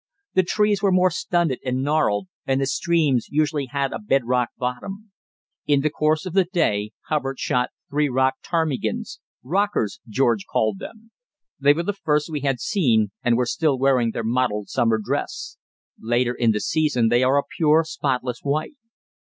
The trees were more stunted and gnarled, and the streams usually had a bed rock bottom. In the course of the day Hubbard shot three rock ptarmigans "rockers," George called them. They were the first we had seen, and were still wearing their mottled summer dress; later in the season they are a pure, spotless white.